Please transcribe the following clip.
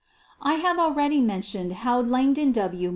I have already mentioned how Langdon W.